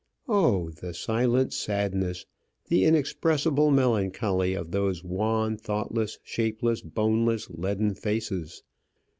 Oh! the silent sadness, the inexpressible melancholy of those wan, thoughtless, shapeless, boneless, leaden faces!